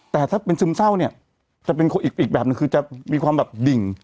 แต่ถ้าเป็นซึมเศร้าเนี่ยจะเป็นอีกแบบนึงคือจะมีความแบบดิ่ง